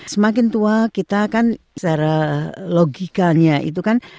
semakin tua kita kan secara logikanya itu kan